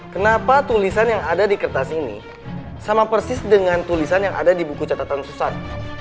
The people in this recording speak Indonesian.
kenapa tulisan yang ada di kertas ini sama persis dengan tulisan yang ada di buku catatan susah